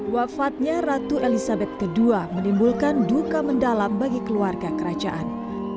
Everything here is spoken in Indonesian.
wafatnya ratu elizabeth ii menimbulkan duka mendalam bagi keluarga kerajaan